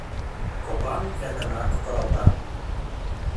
Коклан эркынрак кокыралта.